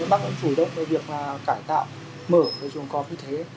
bác cũng chủ động về việc cải tạo mở và dùng cọp như thế